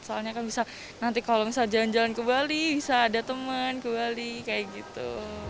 soalnya kan bisa nanti kalau misalnya jalan jalan ke bali bisa ada teman ke bali kayak gitu